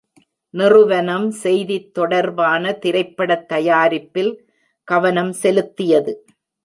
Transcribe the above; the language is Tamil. நிறுவனம் செய்தித் தொடர்பான திரைப்படத் தயாரிப்பில் கவனம் செலுத்தியது.